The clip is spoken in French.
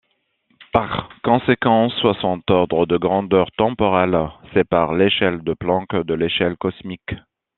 Par conséquent soixante ordres de grandeur temporelle séparent l'échelle de Planck de l'échelle cosmique.